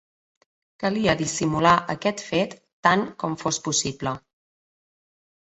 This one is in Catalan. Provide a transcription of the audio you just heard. Calia dissimular aquest fet tant com fos possible.